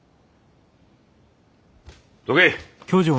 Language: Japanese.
どけ。